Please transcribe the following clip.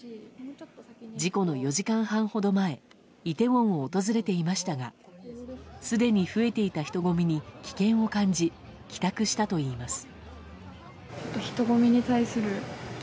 事故の４時間半ほど前イテウォンを訪れていましたがすでに増えていた人混みに危険を感じ、帰宅したといいます。